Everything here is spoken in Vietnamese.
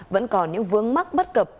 vẫn còn những vướng mắt bất cập